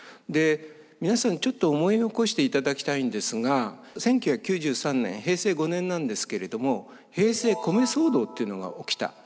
で皆さんちょっと思い起こしていただきたいんですが１９９３年平成５年なんですけれども平成米騒動っていうのが起きた。